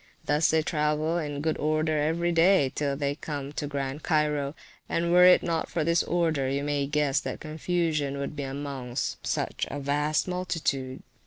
Thus they travel, in good order every day, till they come to Grand Cairo; and were it not for this order, you may guess what confusion would be amongst such a vast multitude.